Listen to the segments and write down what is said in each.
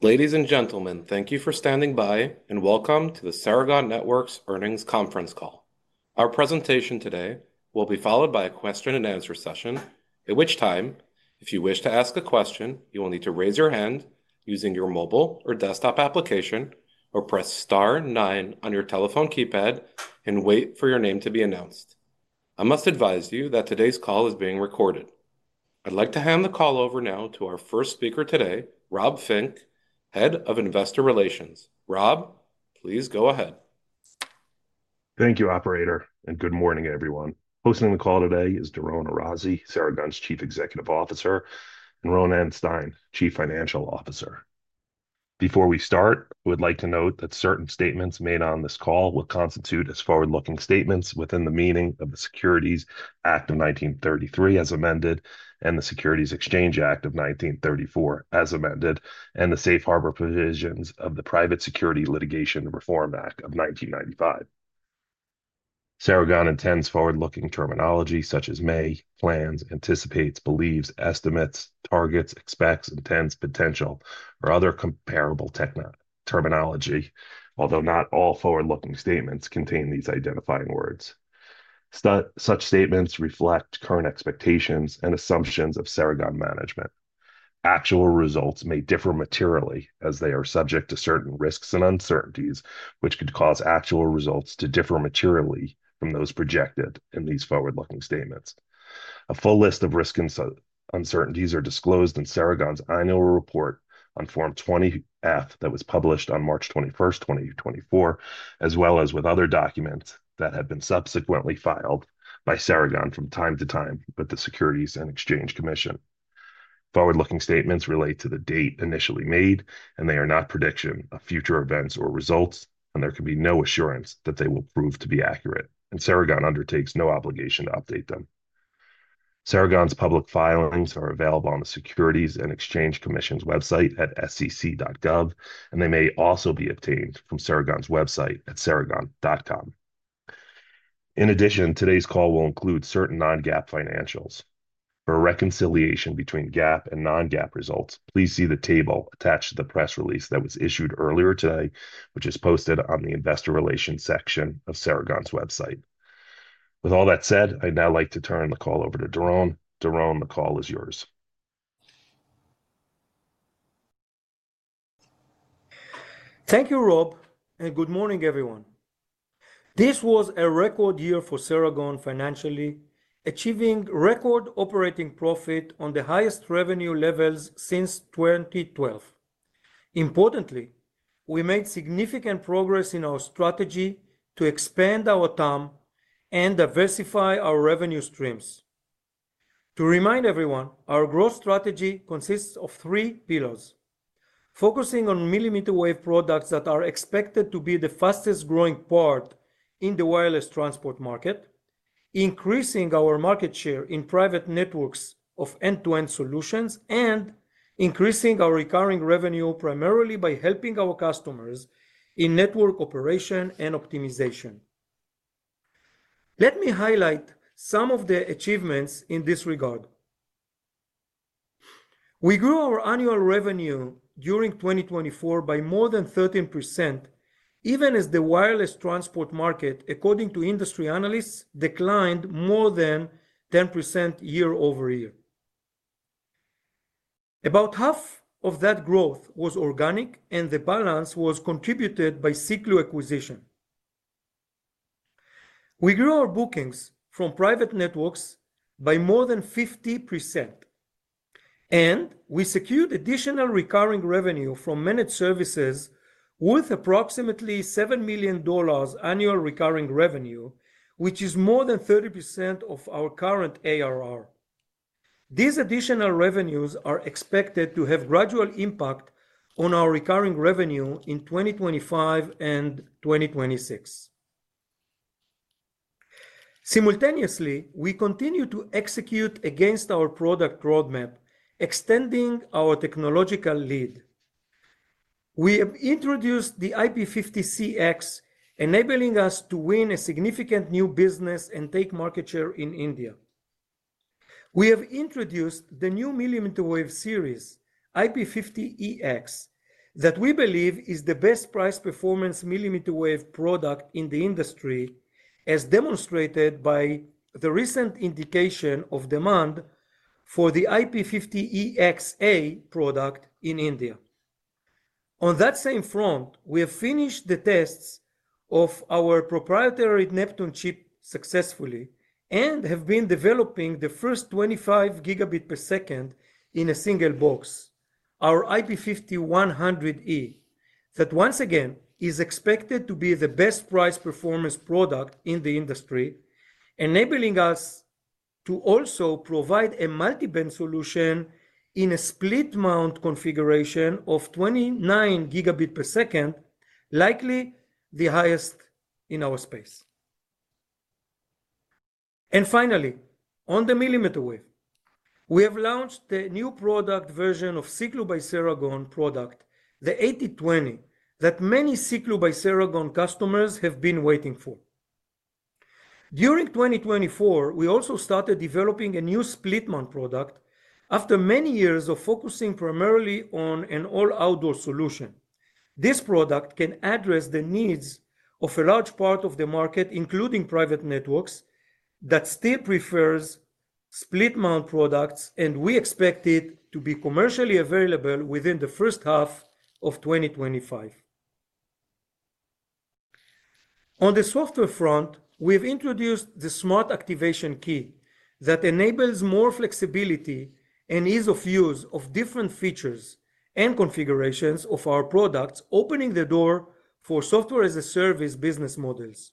Ladies and gentlemen, thank you for standing by and welcome to the Ceragon Networks Earnings Conference Call. Our presentation today will be followed by a question-and-answer session, at which time, if you wish to ask a question, you will need to raise your hand using your mobile or desktop application, or press star nine on your telephone keypad and wait for your name to be announced. I must advise you that today's call is being recorded. I'd like to hand the call over now to our first speaker today, Rob Fink, Head of Investor Relations. Rob, please go ahead. Thank you, Operator, and good morning, everyone. Hosting the call today is Doron Arazi, Ceragon's Chief Executive Officer, and Ronen Stein, Chief Financial Officer. Before we start, we'd like to note that certain statements made on this call will constitute as forward-looking statements within the meaning of the Securities Act of 1933, as amended, and the Securities Exchange Act of 1934, as amended, and the safe harbor provisions of the Private Security Litigation Reform Act of 1995. Ceragon intends forward-looking terminology such as may, plans, anticipates, believes, estimates, targets, expects, intends, potential, or other comparable terminology, although not all forward-looking statements contain these identifying words. Such statements reflect current expectations and assumptions of Ceragon management. Actual results may differ materially as they are subject to certain risks and uncertainties, which could cause actual results to differ materially from those projected in these forward-looking statements. A full list of risk and uncertainties are disclosed in Ceragon's Annual Report on Form 20-F that was published on March 21st, 2024, as well as with other documents that have been subsequently filed by Ceragon from time to time with the Securities and Exchange Commission. Forward-looking statements relate to the date initially made, and they are not predictions of future events or results, and there can be no assurance that they will prove to be accurate, and Ceragon undertakes no obligation to update them. Ceragon's public filings are available on the Securities and Exchange Commission's website at sec.gov, and they may also be obtained from Ceragon's website at ceragon.com. In addition, today's call will include certain non-GAAP financials. For reconciliation between GAAP and non-GAAP results, please see the table attached to the press release that was issued earlier today, which is posted on the Investor Relations section of Ceragon's website. With all that said, I'd now like to turn the call over to Doron. Doron, the call is yours. Thank you, Rob, and good morning, everyone. This was a record year for Ceragon financially, achieving record operating profit on the highest revenue levels since 2012. Importantly, we made significant progress in our strategy to expand our TAM and diversify our revenue streams. To remind everyone, our growth strategy consists of three pillars: focusing on millimeter wave products that are expected to be the fastest-growing part in the wireless transport market, increasing our market share in private networks of end-to-end solutions, and increasing our recurring revenue primarily by helping our customers in network operation and optimization. Let me highlight some of the achievements in this regard. We grew our annual revenue during 2024 by more than 13%, even as the wireless transport market, according to industry analysts, declined more than 10% year-over-year. About half of that growth was organic, and the balance was contributed by Siklu acquisition. We grew our bookings from private networks by more than 50%, and we secured additional recurring revenue from managed services worth approximately $7 million annual recurring revenue, which is more than 30% of our current ARR. These additional revenues are expected to have a gradual impact on our recurring revenue in 2025 and 2026. Simultaneously, we continue to execute against our product roadmap, extending our technological lead. We have introduced the IP-50CX, enabling us to win significant new business and take market share in India. We have introduced the new millimeter wave series, IP-50EX, that we believe is the best price-performance millimeter wave product in the industry, as demonstrated by the recent indication of demand for the IP-50EXA product in India. On that same front, we have finished the tests of our proprietary Neptune chip successfully and have been developing the first 25 Gb per second in a single box, our IP-50/100E, that once again is expected to be the best price-performance product in the industry, enabling us to also provide a multi-band solution in a split-mount configuration of 29 Gb per second, likely the highest in our space. Finally, on the millimeter wave, we have launched the new product version of Siklu by Ceragon product, the 8020, that many Siklu by Ceragon customers have been waiting for. During 2024, we also started developing a new split-mount product after many years of focusing primarily on an all-outdoor solution. This product can address the needs of a large part of the market, including private networks, that still prefers split-mount products, and we expect it to be commercially available within the first half of 2025. On the software front, we've introduced the smart activation key that enables more flexibility and ease of use of different features and configurations of our products, opening the door for software-as-a-service business models.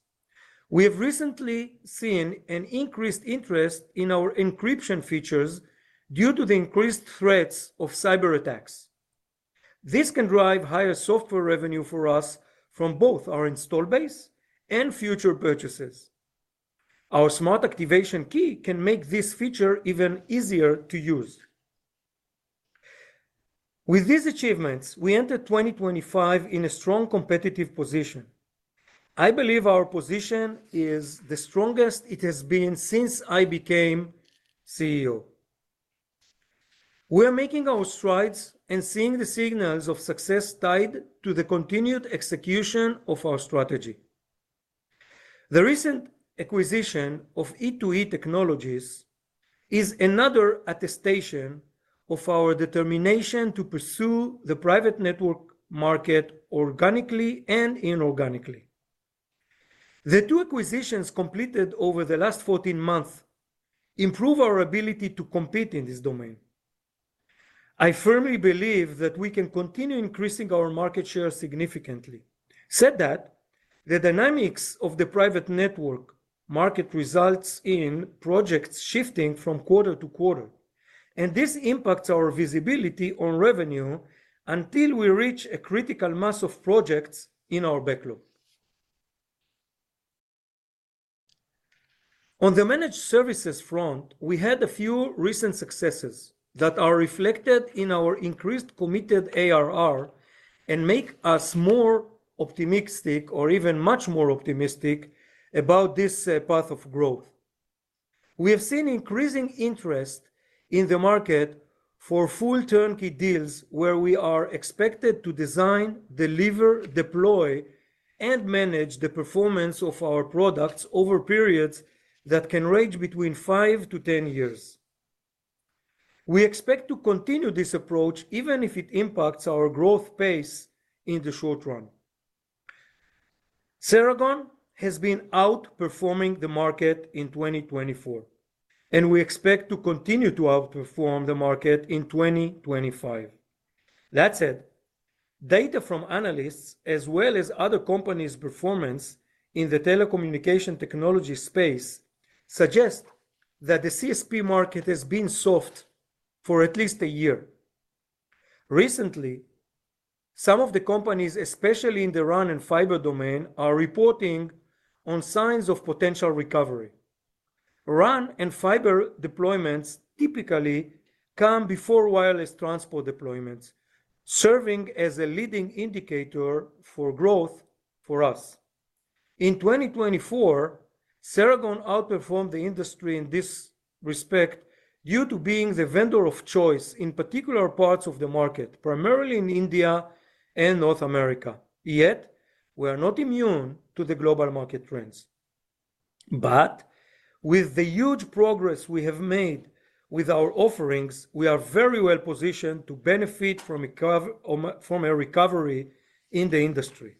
We have recently seen an increased interest in our encryption features due to the increased threats of cyberattacks. This can drive higher software revenue for us from both our install base and future purchases. Our smart activation key can make this feature even easier to use. With these achievements, we enter 2025 in a strong competitive position. I believe our position is the strongest it has been since I became CEO. We are making our strides and seeing the signals of success tied to the continued execution of our strategy. The recent acquisition of E2E technologies is another attestation of our determination to pursue the private network market organically and inorganically. The two acquisitions completed over the last 14 months improve our ability to compete in this domain. I firmly believe that we can continue increasing our market share significantly. Said that, the dynamics of the private network market results in projects shifting from quarter to quarter, and this impacts our visibility on revenue until we reach a critical mass of projects in our backlog. On the managed services front, we had a few recent successes that are reflected in our increased committed ARR and make us more optimistic, or even much more optimistic, about this path of growth. We have seen increasing interest in the market for full turnkey deals where we are expected to design, deliver, deploy, and manage the performance of our products over periods that can range between 5 years-10 years. We expect to continue this approach even if it impacts our growth pace in the short run. Ceragon has been outperforming the market in 2024, and we expect to continue to outperform the market in 2025. That said, data from analysts, as well as other companies' performance in the telecommunication technology space, suggest that the CSP market has been soft for at least a year. Recently, some of the companies, especially in the RAN and fiber domain, are reporting on signs of potential recovery. RAN and fiber deployments typically come before wireless transport deployments, serving as a leading indicator for growth for us. In 2024, Ceragon outperformed the industry in this respect due to being the vendor of choice in particular parts of the market, primarily in India and North America. Yet, we are not immune to the global market trends. With the huge progress we have made with our offerings, we are very well positioned to benefit from a recovery in the industry.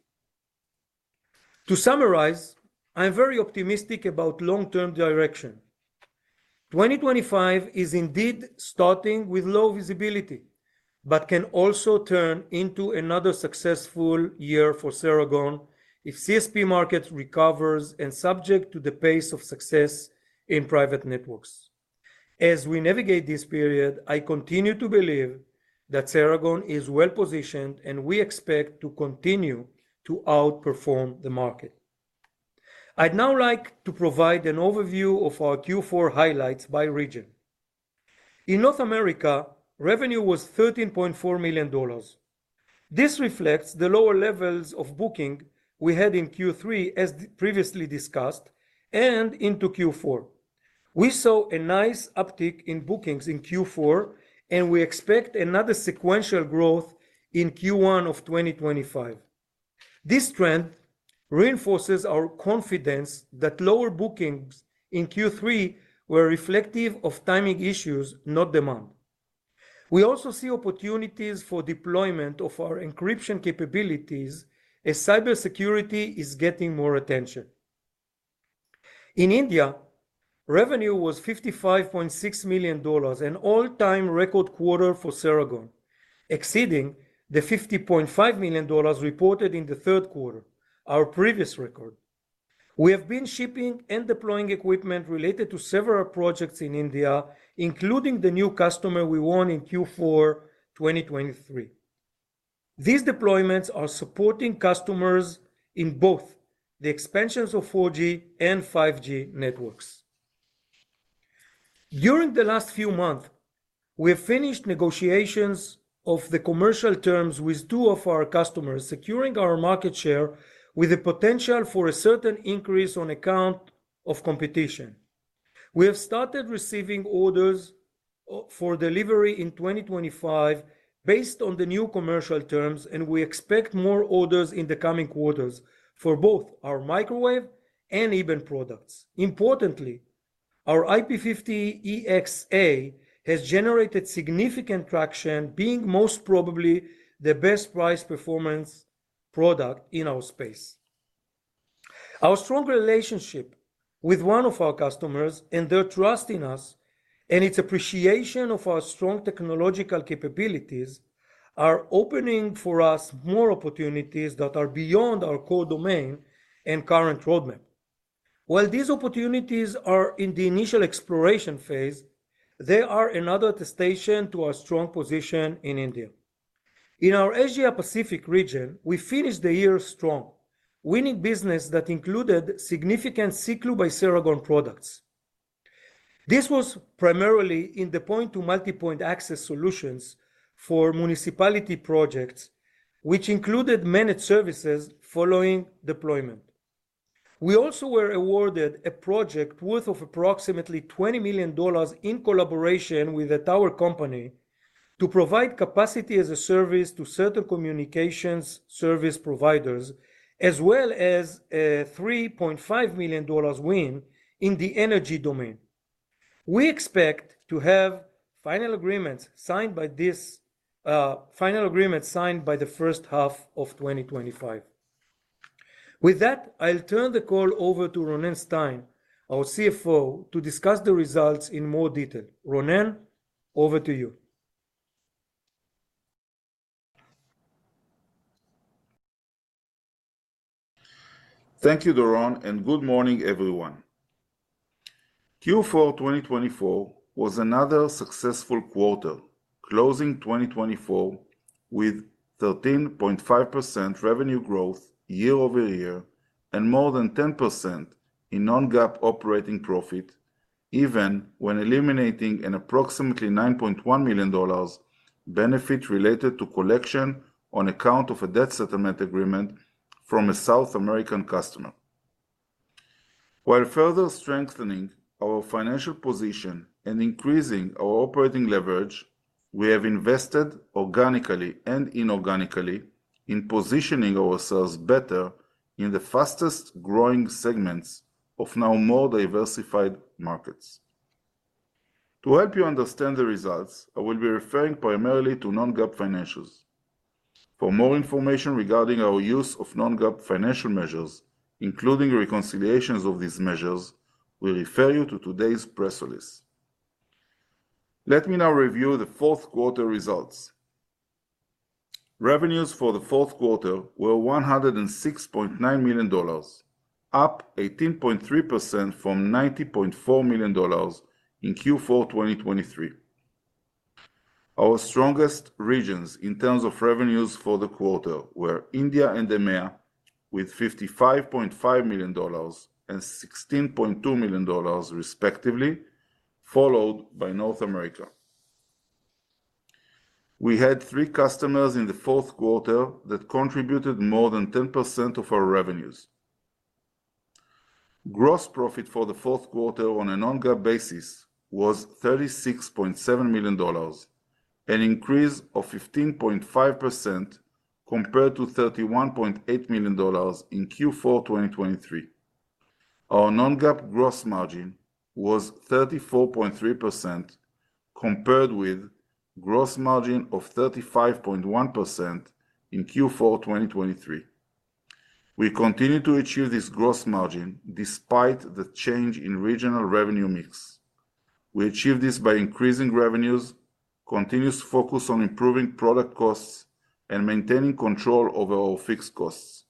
To summarize, I'm very optimistic about long-term direction. 2025 is indeed starting with low visibility, but can also turn into another successful year for Ceragon if CSP market recovers and is subject to the pace of success in private networks. As we navigate this period, I continue to believe that Ceragon is well positioned, and we expect to continue to outperform the market. I'd now like to provide an overview of our Q4 highlights by region. In North America, revenue was $13.4 million. This reflects the lower levels of booking we had in Q3, as previously discussed, and into Q4. We saw a nice uptick in bookings in Q4, and we expect another sequential growth in Q1 of 2025. This trend reinforces our confidence that lower bookings in Q3 were reflective of timing issues, not demand. We also see opportunities for deployment of our encryption capabilities as cybersecurity is getting more attention. In India, revenue was $55.6 million, an all-time record quarter for Ceragon, exceeding the $50.5 million reported in the third quarter, our previous record. We have been shipping and deploying equipment related to several projects in India, including the new customer we won in Q4 2023. These deployments are supporting customers in both the expansions of 4G and 5G networks. During the last few months, we have finished negotiations of the commercial terms with two of our customers, securing our market share with a potential for a certain increase on account of competition. We have started receiving orders for delivery in 2025 based on the new commercial terms, and we expect more orders in the coming quarters for both our microwave and even products. Importantly, our IP-50EXA has generated significant traction, being most probably the best price-performance product in our space. Our strong relationship with one of our customers and their trust in us and its appreciation of our strong technological capabilities are opening for us more opportunities that are beyond our core domain and current roadmap. While these opportunities are in the initial exploration phase, they are another attestation to our strong position in India. In our Asia-Pacific region, we finished the year strong, winning business that included significant Siklu by Ceragon products. This was primarily in the point-to-multipoint access solutions for municipality projects, which included managed services following deployment. We also were awarded a project worth approximately $20 million in collaboration with a tower company to provide capacity as a service to certain communications service providers, as well as a $3.5 million win in the energy domain. We expect to have final agreements signed by the first half of 2025. With that, I'll turn the call over to Ronen Stein, our CFO, to discuss the results in more detail. Ronen, over to you. Thank you, Doron, and good morning, everyone. Q4 2024 was another successful quarter, closing 2024 with 13.5% revenue growth year-over-year and more than 10% in non-GAAP operating profit, even when eliminating an approximately $9.1 million benefit related to collection on account of a debt settlement agreement from a South American customer. While further strengthening our financial position and increasing our operating leverage, we have invested organically and inorganically in positioning ourselves better in the fastest-growing segments of now more diversified markets. To help you understand the results, I will be referring primarily to non-GAAP financials. For more information regarding our use of non-GAAP financial measures, including reconciliations of these measures, we refer you to today's press release. Let me now review the fourth quarter results. Revenues for the fourth quarter were $106.9 million, up 18.3% from $90.4 million in Q4 2023. Our strongest regions in terms of revenues for the quarter were India and EMEA, with $55.5 million and $16.2 million, respectively, followed by North America. We had three customers in the fourth quarter that contributed more than 10% of our revenues. Gross profit for the fourth quarter on a non-GAAP basis was $36.7 million, an increase of 15.5% compared to $31.8 million in Q4 2023. Our non-GAAP gross margin was 34.3%, compared with a gross margin of 35.1% in Q4 2023. We continue to achieve this gross margin despite the change in regional revenue mix. We achieve this by increasing revenues, continuous focus on improving product costs, and maintaining control over our fixed costs.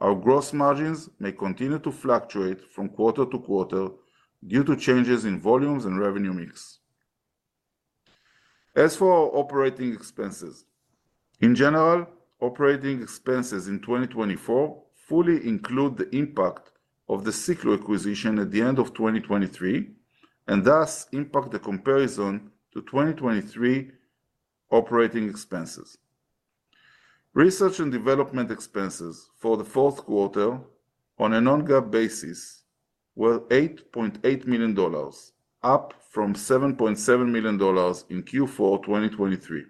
Our gross margins may continue to fluctuate from quarter to quarter due to changes in volumes and revenue mix. As for our operating expenses, in general, operating expenses in 2024 fully include the impact of the Siklu acquisition at the end of 2023, and thus impact the comparison to 2023 operating expenses. Research and development expenses for the fourth quarter on a non-GAAP basis were $8.8 million, up from $7.7 million in Q4 2023.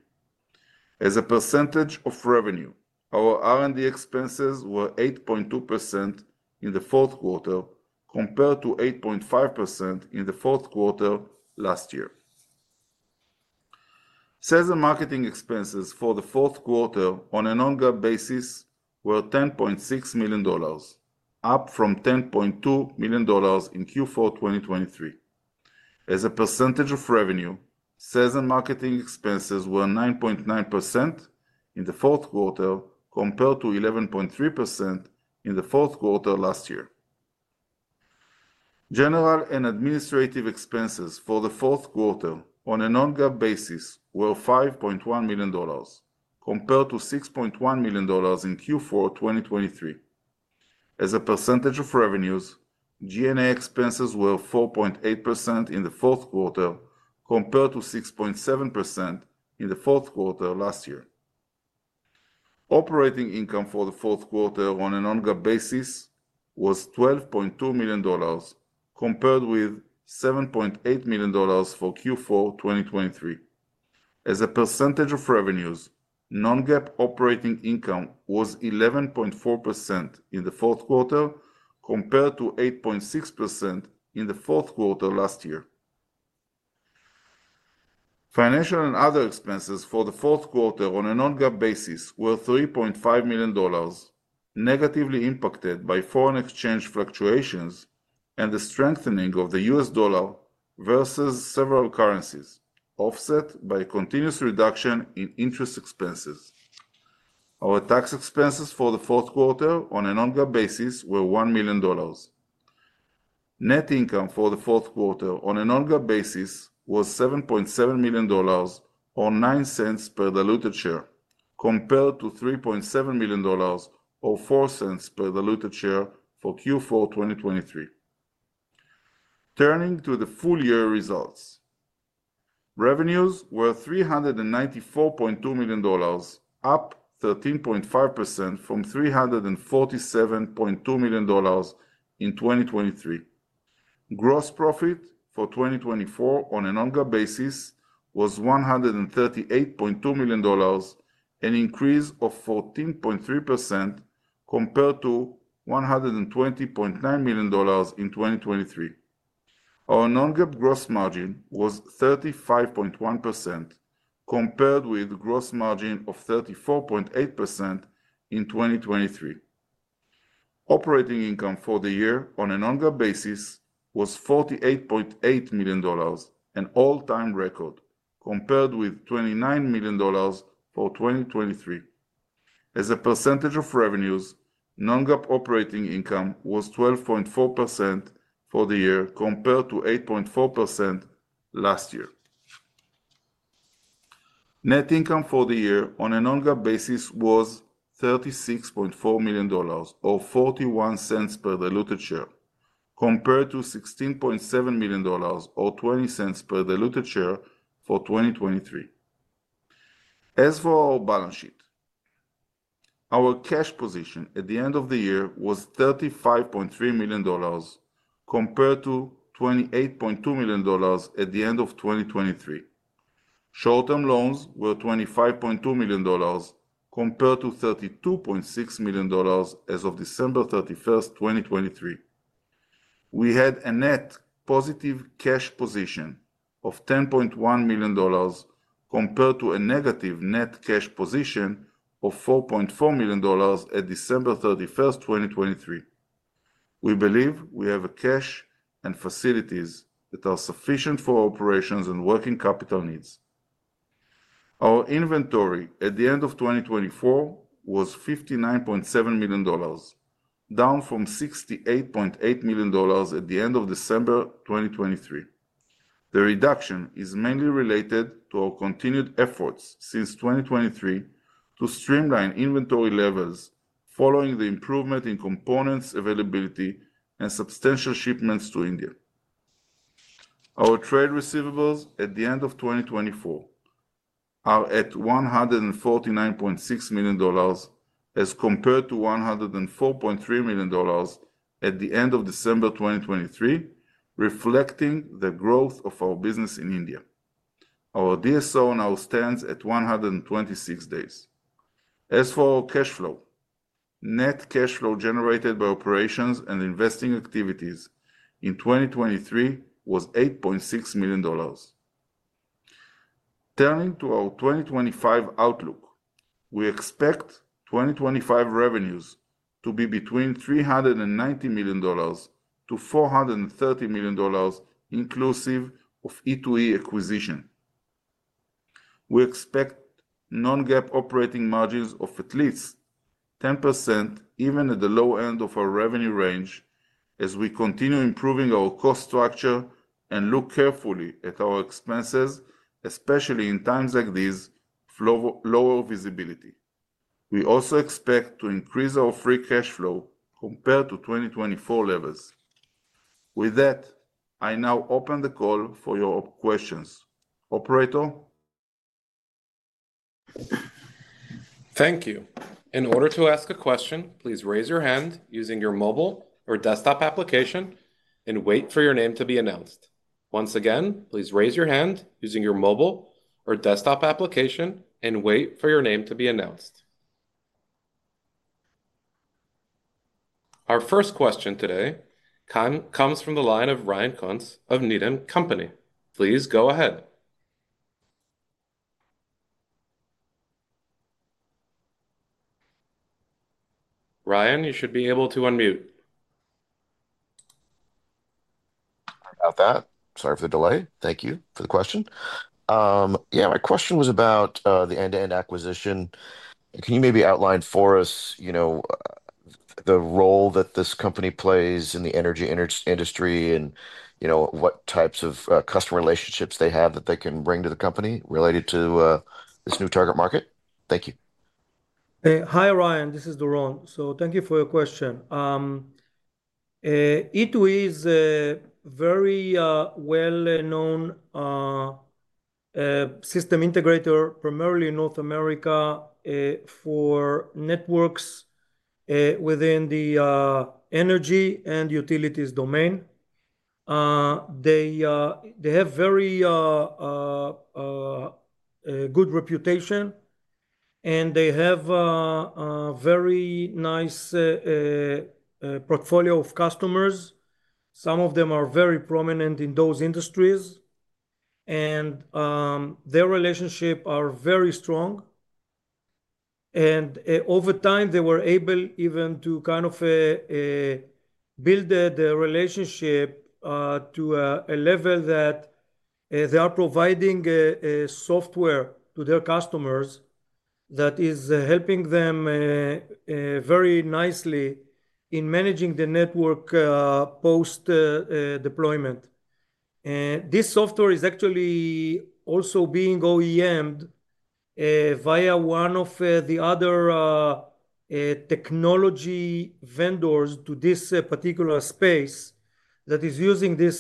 As a percentage of revenue, our R&D expenses were 8.2% in the fourth quarter compared to 8.5% in the fourth quarter last year. Sales and marketing expenses for the fourth quarter on a non-GAAP basis were $10.6 million, up from $10.2 million in Q4 2023. As a percentage of revenue, sales and marketing expenses were 9.9% in the fourth quarter compared to 11.3% in the fourth quarter last year. General and administrative expenses for the fourth quarter on a non-GAAP basis were $5.1 million, compared to $6.1 million in Q4 2023. As a percentage of revenues, G&A expenses were 4.8% in the fourth quarter compared to 6.7% in the fourth quarter last year. Operating income for the fourth quarter on a non-GAAP basis was $12.2 million, compared with $7.8 million for Q4 2023. As a percentage of revenues, non-GAAP operating income was 11.4% in the fourth quarter compared to 8.6% in the fourth quarter last year. Financial and other expenses for the fourth quarter on a non-GAAP basis were $3.5 million, negatively impacted by foreign exchange fluctuations and the strengthening of the US dollar versus several currencies, offset by a continuous reduction in interest expenses. Our tax expenses for the fourth quarter on a non-GAAP basis were $1 million. Net income for the fourth quarter on a non-GAAP basis was $7.7 million or $0.09 per diluted share, compared to $3.7 million or $0.04 per diluted share for Q4 2022. Turning to the full year results, revenues were $394.2 million, up 13.5% from $347.2 million in 2023. Gross profit for 2024 on a non-GAAP basis was $138.2 million, an increase of 14.3% compared to $120.9 million in 2023. Our non-GAAP gross margin was 35.1%, compared with a gross margin of 34.8% in 2023. Operating income for the year on a non-GAAP basis was $48.8 million, an all-time record, compared with $29 million for 2023. As a percentage of revenues, non-GAAP operating income was 12.4% for the year, compared to 8.4% last year. Net income for the year on a non-GAAP basis was $36.4 million or $0.41 per diluted share, compared to $16.7 million or $0.20 per diluted share for 2023. As for our balance sheet, our cash position at the end of the year was $35.3 million, compared to $28.2 million at the end of 2023. Short-term loans were $25.2 million, compared to $32.6 million as of December 31st, 2023. We had a net positive cash position of $10.1 million, compared to a negative net cash position of $4.4 million at December 31st, 2023. We believe we have cash and facilities that are sufficient for operations and working capital needs. Our inventory at the end of 2024 was $59.7 million, down from $68.8 million at the end of December 2023. The reduction is mainly related to our continued efforts since 2023 to streamline inventory levels following the improvement in components availability and substantial shipments to India. Our trade receivables at the end of 2024 are at $149.6 million as compared to $104.3 million at the end of December 2023, reflecting the growth of our business in India. Our DSO now stands at 126 days. As for our cash flow, net cash flow generated by operations and investing activities in 2023 was $8.6 million. Turning to our 2025 outlook, we expect 2025 revenues to be between $390 million-$430 million, inclusive of E2E acquisition. We expect non-GAAP operating margins of at least 10%, even at the low end of our revenue range, as we continue improving our cost structure and look carefully at our expenses, especially in times like these of lower visibility. We also expect to increase our free cash flow compared to 2024 levels. With that, I now open the call for your questions. Operator. Thank you. In order to ask a question, please raise your hand using your mobile or desktop application and wait for your name to be announced. Once again, please raise your hand using your mobile or desktop application and wait for your name to be announced. Our first question today comes from the line of Ryan Koontz of Needham & Company. Please go ahead. Ryan, you should be able to unmute. Sorry about that. Sorry for the delay. Thank you for the question. Yeah, my question was about the end-to-end acquisition. Can you maybe outline for us the role that this company plays in the energy industry and what types of customer relationships they have that they can bring to the company related to this new target market? Thank you. Hi, Ryan. This is Doron. Thank you for your question. E2E is a very well-known system integrator, primarily in North America, for networks within the energy and utilities domain. They have a very good reputation, and they have a very nice portfolio of customers. Some of them are very prominent in those industries, and their relationships are very strong. Over time, they were able even to kind of build the relationship to a level that they are providing software to their customers that is helping them very nicely in managing the network post-deployment. This software is actually also being OEMed via one of the other technology vendors to this particular space that is using this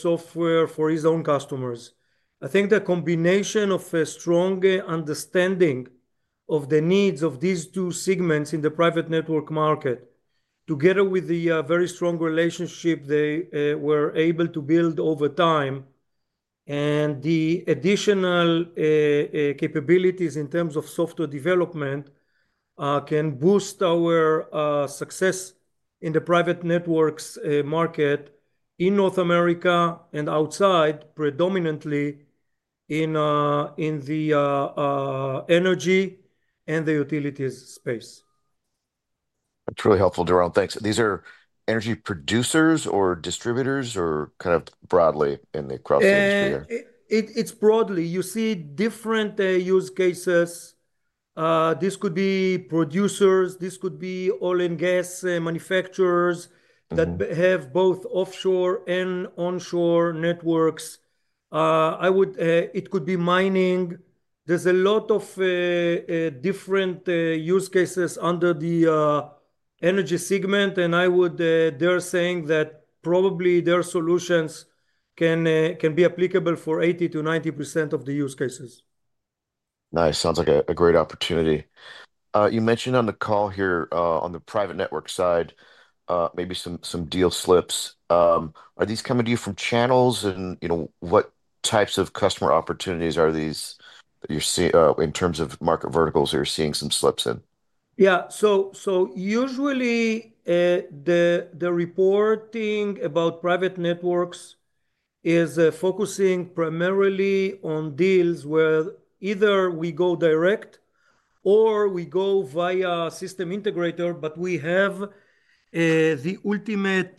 software for its own customers. I think the combination of a strong understanding of the needs of these two segments in the private network market, together with the very strong relationship they were able to build over time, and the additional capabilities in terms of software development can boost our success in the private networks market in North America and outside, predominantly in the energy and the utilities space. That's really helpful, Doron. Thanks. These are energy producers or distributors or kind of broadly across the industry? It's broadly. You see different use cases. This could be producers. This could be oil and gas manufacturers that have both offshore and onshore networks. It could be mining. There are a lot of different use cases under the energy segment, and they're saying that probably their solutions can be applicable for 80%-90% of the use cases. Nice. Sounds like a great opportunity. You mentioned on the call here on the private network side, maybe some deal slips. Are these coming to you from channels? What types of customer opportunities are these in terms of market verticals that you're seeing some slips in? Yeah. Usually, the reporting about private networks is focusing primarily on deals where either we go direct or we go via system integrator, but we have the ultimate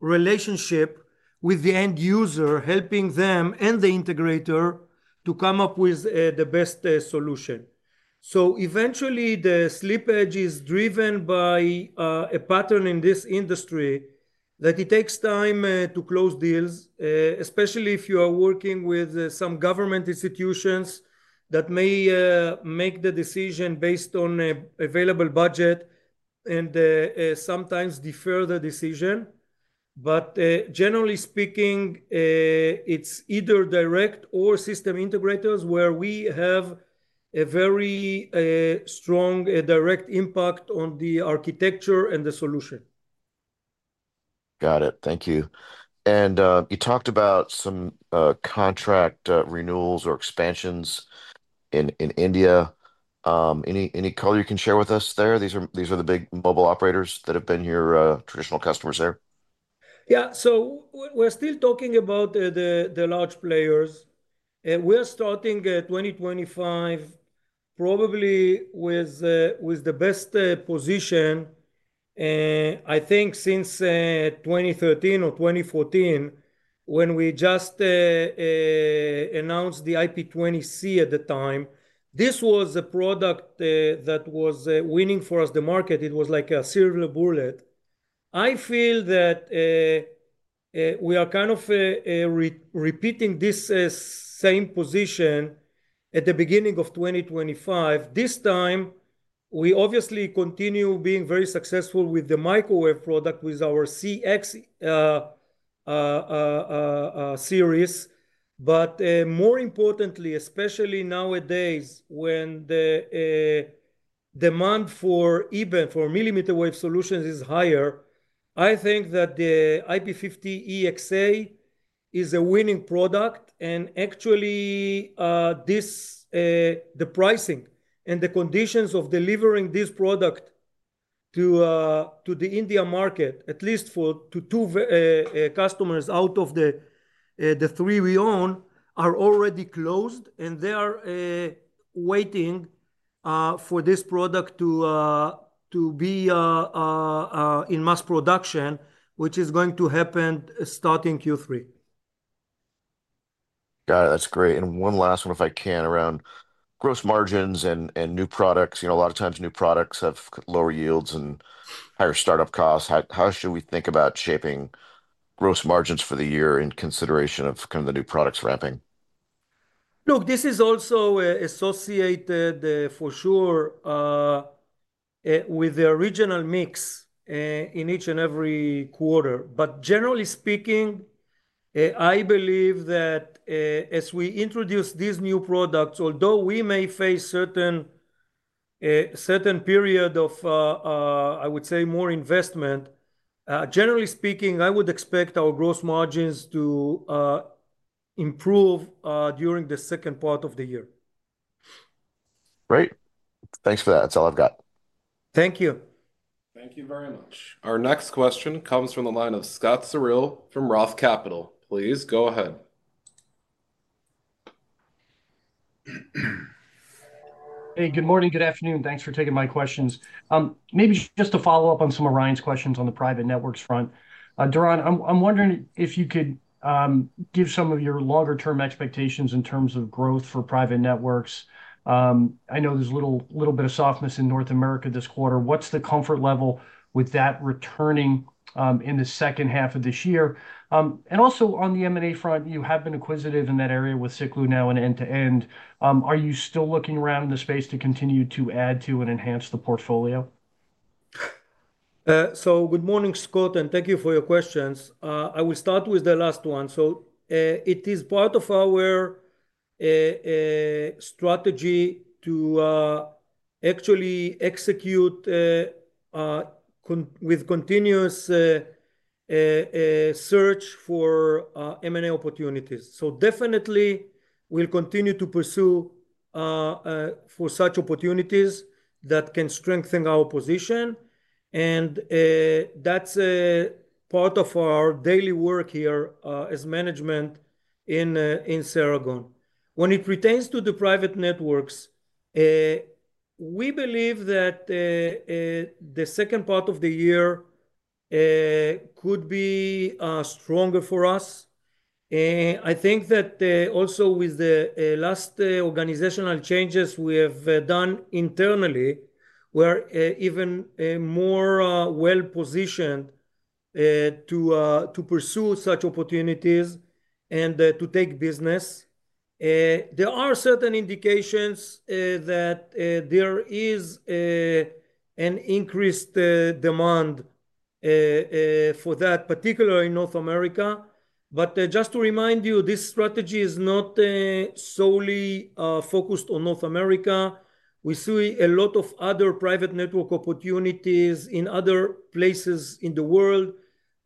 relationship with the end user, helping them and the integrator to come up with the best solution. Eventually, the slippage is driven by a pattern in this industry that it takes time to close deals, especially if you are working with some government institutions that may make the decision based on available budget and sometimes defer the decision. Generally speaking, it's either direct or system integrators where we have a very strong direct impact on the architecture and the solution. Got it. Thank you. You talked about some contract renewals or expansions in India. Any color you can share with us there? These are the big mobile operators that have been here, traditional customers there. Yeah. We're still talking about the large players. We are starting 2025 probably with the best position. I think since 2013 or 2014, when we just announced the IP20C at the time, this was a product that was winning for us the market. It was like a serial bullet. I feel that we are kind of repeating this same position at the beginning of 2025. This time, we obviously continue being very successful with the microwave product with our CX series. More importantly, especially nowadays when the demand even for millimeter wave solutions is higher, I think that the IP-50EXA is a winning product. Actually, the pricing and the conditions of delivering this product to the India market, at least for two customers out of the three we own, are already closed. They are waiting for this product to be in mass production, which is going to happen starting Q3. Got it. That's great. One last one, if I can, around gross margins and new products. A lot of times, new products have lower yields and higher startup costs. How should we think about shaping gross margins for the year in consideration of kind of the new products wrapping? Look, this is also associated for sure with the original mix in each and every quarter. But generally speaking, I believe that as we introduce these new products, although we may face a certain period of, I would say, more investment, generally speaking, I would expect our gross margins to improve during the second part of the year. Great. Thanks for that. That's all I've got. Thank you. Thank you very much. Our next question comes from the line of Scott Searle from Roth Capital. Please go ahead. Hey, good morning. Good afternoon. Thanks for taking my questions. Maybe just to follow up on some of Ryan's questions on the private networks front. Doron, I'm wondering if you could give some of your longer-term expectations in terms of growth for private networks. I know there's a little bit of softness in North America this quarter. What's the comfort level with that returning in the second half of this year? Also on the M&A front, you have been acquisitive in that area with Siklu now and end-to-end. Are you still looking around in the space to continue to add to and enhance the portfolio? Good morning, Scott, and thank you for your questions. I will start with the last one. It is part of our strategy to actually execute with continuous search for M&A opportunities. Definitely, we'll continue to pursue such opportunities that can strengthen our position. That's part of our daily work here as management in Ceragon. When it pertains to the private networks, we believe that the second part of the year could be stronger for us. I think that also with the last organizational changes we have done internally, we're even more well-positioned to pursue such opportunities and to take business. There are certain indications that there is an increased demand for that, particularly in North America. Just to remind you, this strategy is not solely focused on North America. We see a lot of other private network opportunities in other places in the world.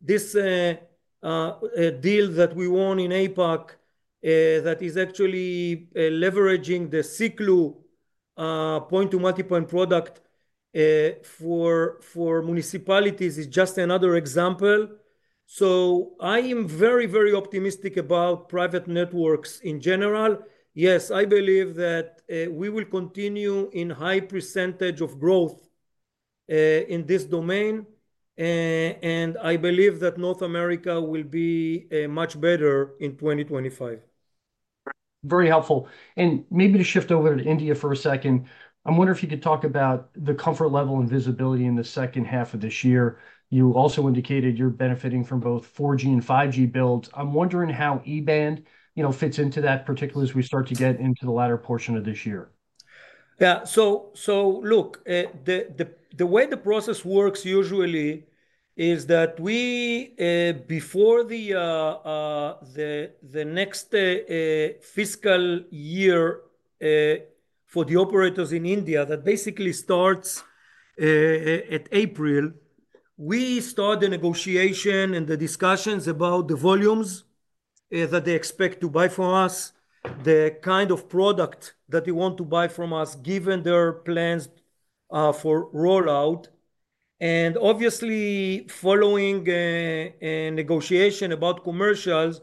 This deal that we won in APAC that is actually leveraging the Siklu point-to-multipoint product for municipalities is just another example. I am very, very optimistic about private networks in general. Yes, I believe that we will continue in high percentage of growth in this domain. I believe that North America will be much better in 2025. Very helpful. Maybe to shift over to India for a second, I'm wondering if you could talk about the comfort level and visibility in the second half of this year. You also indicated you're benefiting from both 4G and 5G builds. I'm wondering how E-band fits into that, particularly as we start to get into the latter portion of this year. Yeah. Look, the way the process works usually is that before the next fiscal year for the operators in India that basically starts at April, we start the negotiation and the discussions about the volumes that they expect to buy from us, the kind of product that they want to buy from us given their plans for rollout. Obviously, following negotiation about commercials,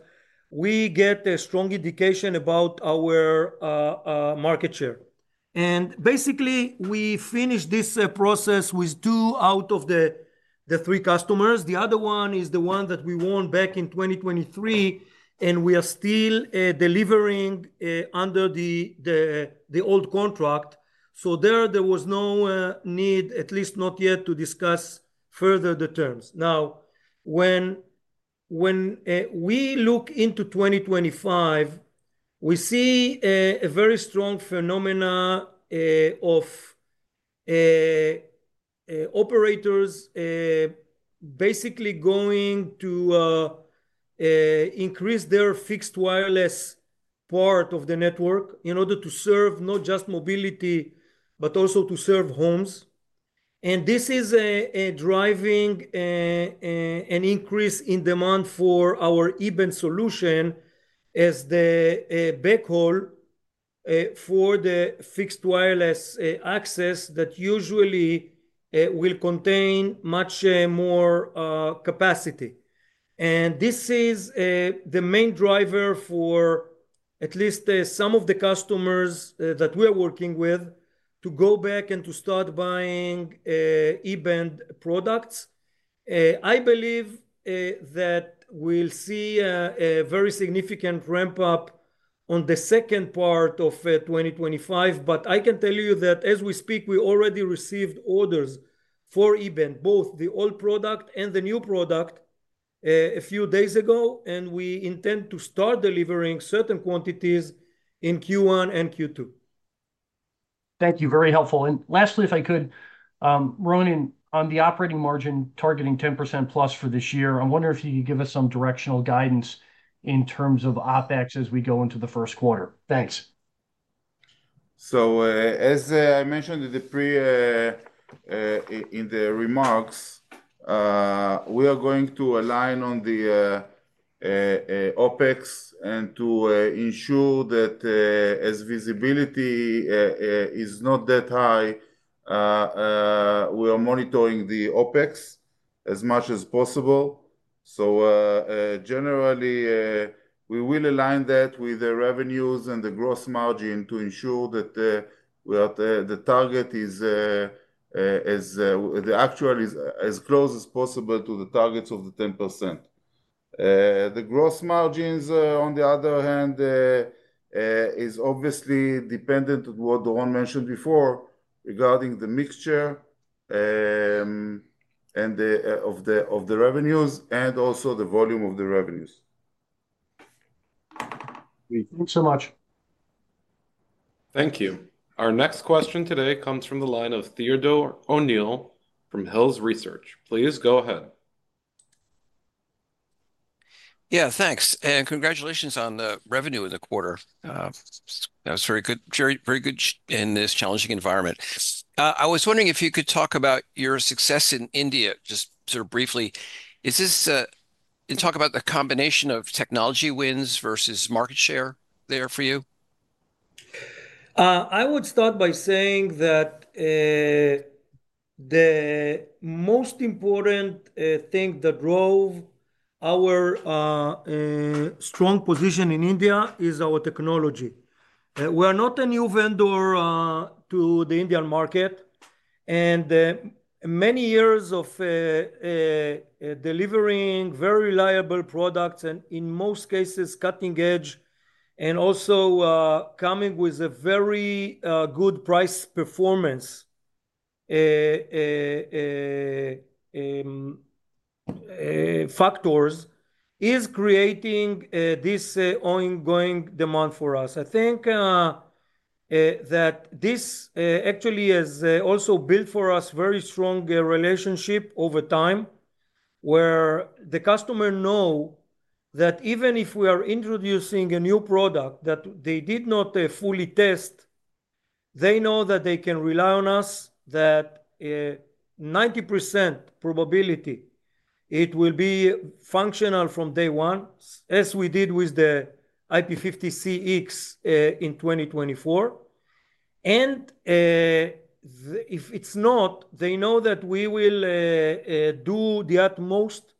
we get a strong indication about our market share. Basically, we finish this process with two out of the three customers. The other one is the one that we won back in 2023, and we are still delivering under the old contract. There was no need, at least not yet, to discuss further the terms. Now, when we look into 2025, we see a very strong phenomena of operators basically going to increase their fixed wireless part of the network in order to serve not just mobility, but also to serve homes. This is driving an increase in demand for our E-band solution as the backhaul for the fixed wireless access that usually will contain much more capacity. This is the main driver for at least some of the customers that we are working with to go back and to start buying E-band products. I believe that we'll see a very significant ramp-up on the second part of 2025. I can tell you that as we speak, we already received orders for E-band, both the old product and the new product, a few days ago. We intend to start delivering certain quantities in Q1 and Q2. Thank you. Very helpful. Lastly, if I could, Ronen, on the operating margin targeting 10%+ for this year, I'm wondering if you could give us some directional guidance in terms of OpEx as we go into the first quarter. Thanks. As I mentioned in the remarks, we are going to align on the OpEx and to ensure that as visibility is not that high, we are monitoring the OpEx as much as possible. Generally, we will align that with the revenues and the gross margin to ensure that the target is as actual as close as possible to the targets of the 10%. The gross margins, on the other hand, is obviously dependent on what Doron mentioned before regarding the mixture of the revenues and also the volume of the revenues. Thanks so much. Thank you. Our next question today comes from the line of Theodore O'Neill from Hills Research. Please go ahead. Yeah, thanks. And congratulations on the revenue in the quarter. That was very good in this challenging environment. I was wondering if you could talk about your success in India, just sort of briefly. Talk about the combination of technology wins versus market share there for you. I would start by saying that the most important thing that drove our strong position in India is our technology. We are not a new vendor to the Indian market. Many years of delivering very reliable products and in most cases cutting edge and also coming with a very good price performance factors is creating this ongoing demand for us. I think that this actually has also built for us a very strong relationship over time where the customer knows that even if we are introducing a new product that they did not fully test, they know that they can rely on us, that 90% probability it will be functional from day one, as we did with the IP-50CX in 2024. If it's not, they know that we will do the utmost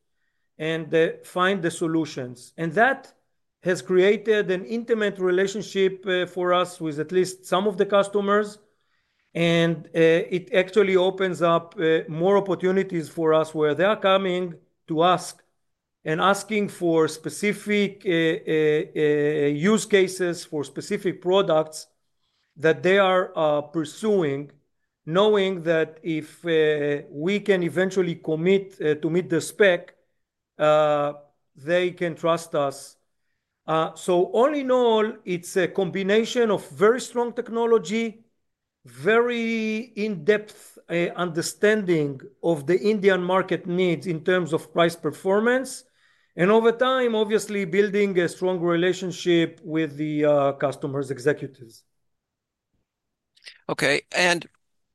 and find the solutions. That has created an intimate relationship for us with at least some of the customers. It actually opens up more opportunities for us where they are coming to us and asking for specific use cases for specific products that they are pursuing, knowing that if we can eventually commit to meet the spec, they can trust us. All in all, it is a combination of very strong technology, very in-depth understanding of the Indian market needs in terms of price performance, and over time, obviously building a strong relationship with the customers' executives. Okay.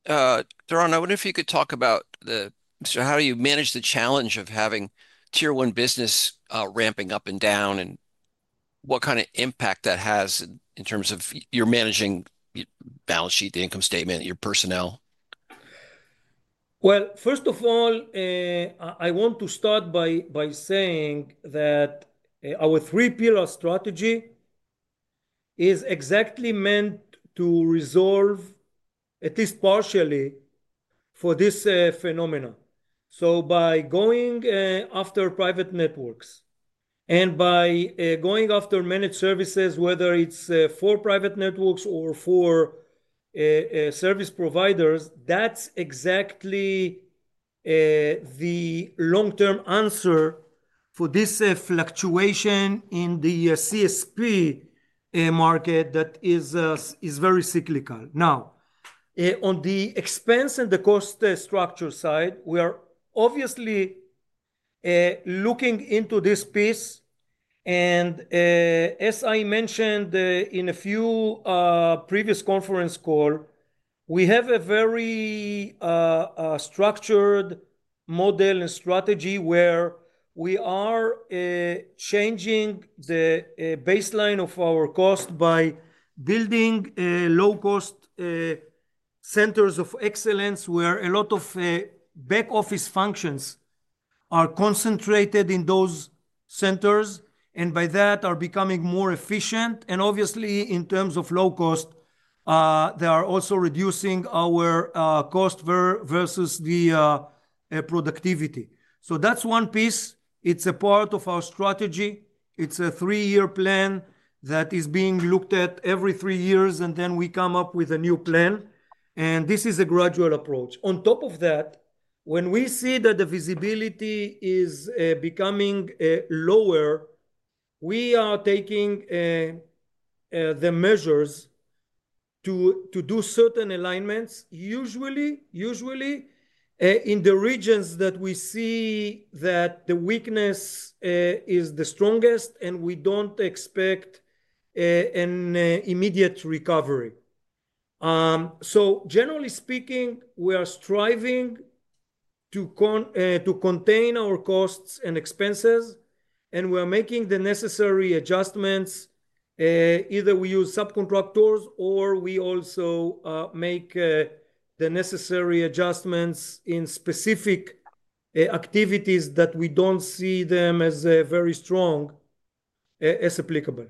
Doron, I wonder if you could talk about how do you manage the challenge of having tier one business ramping up and down and what kind of impact that has in terms of you're managing your balance sheet, the income statement, your personnel. First of all, I want to start by saying that our three-pillar strategy is exactly meant to resolve, at least partially, for this phenomena. By going after private networks and by going after managed services, whether it's for private networks or for service providers, that's exactly the long-term answer for this fluctuation in the CSP market that is very cyclical. Now, on the expense and the cost structure side, we are obviously looking into this piece. As I mentioned in a few previous conference calls, we have a very structured model and strategy where we are changing the baseline of our cost by building low-cost centers of excellence where a lot of back-office functions are concentrated in those centers and by that are becoming more efficient. Obviously, in terms of low cost, they are also reducing our cost versus the productivity. That's one piece. It's a part of our strategy. It's a three-year plan that is being looked at every three years, and then we come up with a new plan. This is a gradual approach. On top of that, when we see that the visibility is becoming lower, we are taking the measures to do certain alignments, usually in the regions that we see that the weakness is the strongest, and we don't expect an immediate recovery. Generally speaking, we are striving to contain our costs and expenses, and we are making the necessary adjustments. Either we use subcontractors or we also make the necessary adjustments in specific activities that we don't see them as very strong as applicable.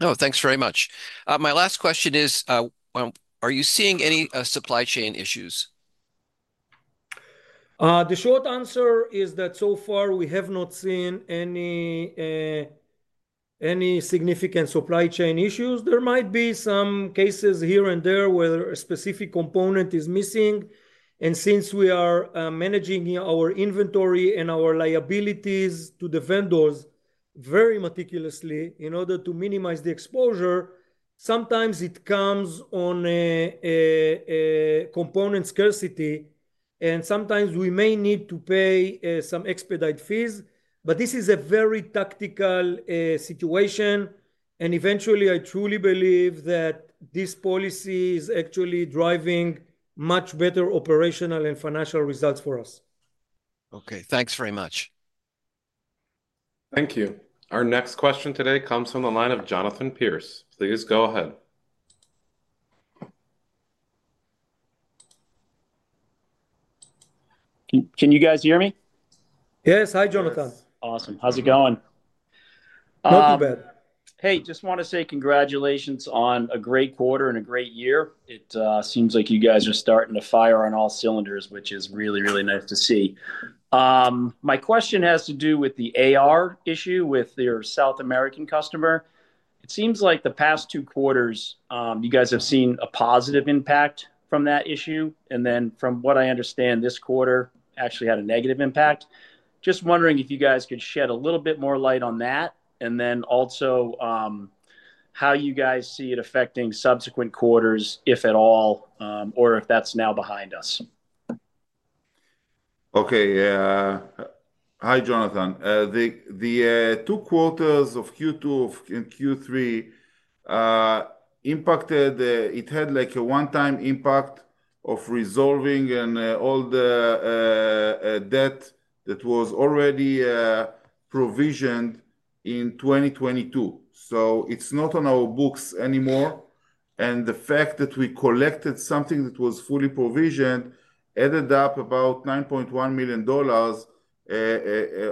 Oh, thanks very much. My last question is, are you seeing any supply chain issues? The short answer is that so far we have not seen any significant supply chain issues. There might be some cases here and there where a specific component is missing. Since we are managing our inventory and our liabilities to the vendors very meticulously in order to minimize the exposure, sometimes it comes on component scarcity, and sometimes we may need to pay some expedite fees. This is a very tactical situation. Eventually, I truly believe that this policy is actually driving much better operational and financial results for us. Okay. Thanks very much. Thank you. Our next question today comes from the line of Jonathan Pierce. Please go ahead. Can you guys hear me? Yes. Hi, Jonathan. Awesome. How's it going? Not too bad. Hey, just want to say congratulations on a great quarter and a great year. It seems like you guys are starting to fire on all cylinders, which is really, really nice to see. My question has to do with the AR issue with your South American customer. It seems like the past two quarters, you guys have seen a positive impact from that issue. From what I understand, this quarter actually had a negative impact. Just wondering if you guys could shed a little bit more light on that, and then also how you guys see it affecting subsequent quarters, if at all, or if that's now behind us. Okay. Hi, Jonathan. The two quarters of Q2 and Q3 impacted; it had a one-time impact of resolving all the debt that was already provisioned in 2022. It is not on our books anymore. The fact that we collected something that was fully provisioned added up about $9.1 million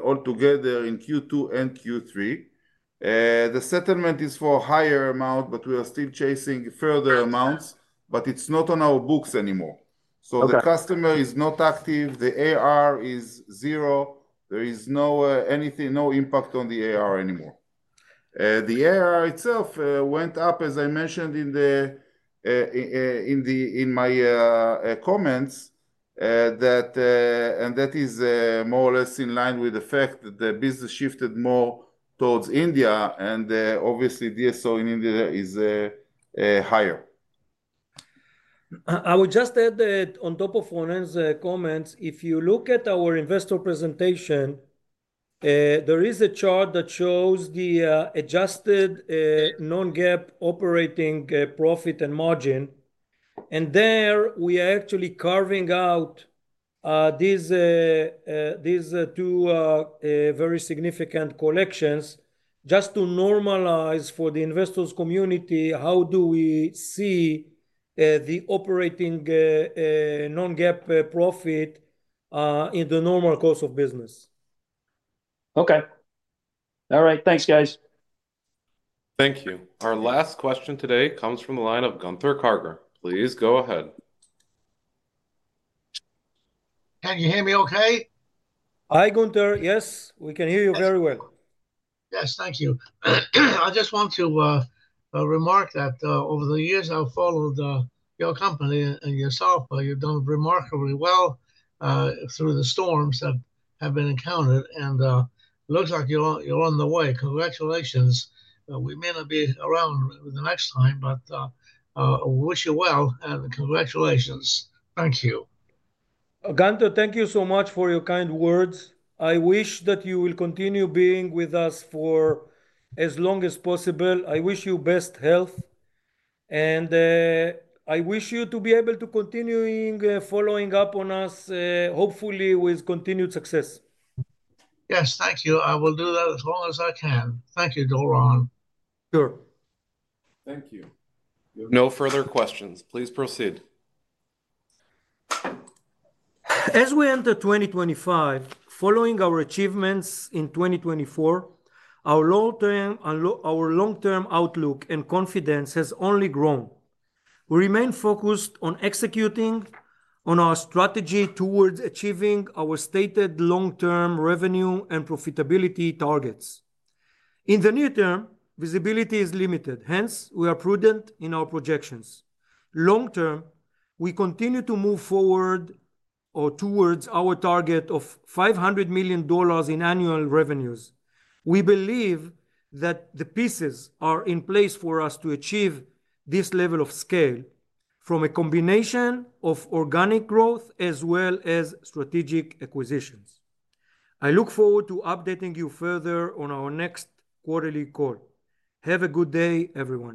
altogether in Q2 and Q3. The settlement is for a higher amount, but we are still chasing further amounts, but it's not on our books anymore. The customer is not active. The AR is zero. There is no impact on the AR anymore. The AR itself went up, as I mentioned in my comments, and that is more or less in line with the fact that the business shifted more towards India. Obviously, DSO in India is higher. I would just add that on top of Ronen's comments, if you look at our investor presentation, there is a chart that shows the adjusted non-GAAP operating profit and margin. There we are actually carving out these two very significant collections just to normalize for the investors' community how do we see the operating non-GAAP profit in the normal course of business. Okay. All right. Thanks, guys. Thank you. Our last question today comes from the line of Gunther Karger. Please go ahead. Can you hear me okay? Hi, Gunther. Yes, we can hear you very well. Yes, thank you. I just want to remark that over the years, I've followed your company and yourself. You've done remarkably well through the storms that have been encountered. It looks like you're on the way. Congratulations. We may not be around the next time, but I wish you well and congratulations. Thank you. Gunther, thank you so much for your kind words. I wish that you will continue being with us for as long as possible. I wish you best health. I wish you to be able to continue following up on us, hopefully with continued success. Yes, thank you. I will do that as long as I can. Thank you, Doron. Sure. Thank you. No further questions. Please proceed. As we enter 2025, following our achievements in 2024, our long-term outlook and confidence has only grown. We remain focused on executing on our strategy towards achieving our stated long-term revenue and profitability targets. In the near term, visibility is limited. Hence, we are prudent in our projections. Long-term, we continue to move forward towards our target of $500 million in annual revenues. We believe that the pieces are in place for us to achieve this level of scale from a combination of organic growth as well as strategic acquisitions. I look forward to updating you further on our next quarterly call. Have a good day, everyone.